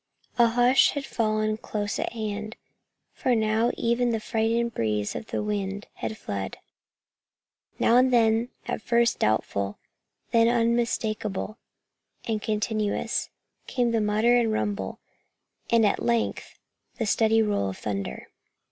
A hush had fallen close at hand, for now even the frightened breeze of evening had fled. Now and then, at first doubtful, then unmistakable and continuous, came the mutter and rumble and at length the steady roll of thunder.